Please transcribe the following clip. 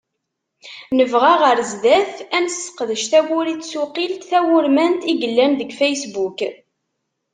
Nebɣa ɣer sdat ad nesseqdec tawuri n tsuqilt tawurmant i yellan deg Facebook.